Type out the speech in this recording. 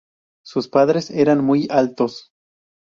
Sus padres eran muy altos.